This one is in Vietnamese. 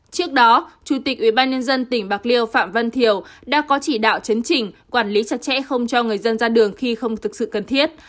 trước đó chủ tịch ubnd tỉnh bạc liêu phạm văn thiểu đã có chỉ đạo chấn chỉnh quản lý chặt chẽ không cho người dân ra đường khi không thực sự cần thiết